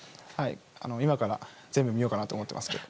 今から全部見ようかなと思ってますけど。